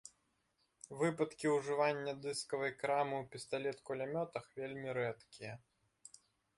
Выпадкі ўжывання дыскавай крамы ў пісталет-кулямётах вельмі рэдкія.